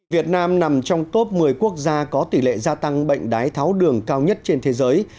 việt nam nằm trong top một mươi quốc gia có tỷ lệ gia tăng bệnh đái tháo đường cao nhất trên thế giới